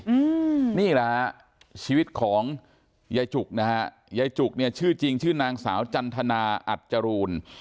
อืมนี่แหละฮะชีวิตของยายจุกนะฮะยายจุกเนี่ยชื่อจริงชื่อนางสาวจันทนาอัดจรูน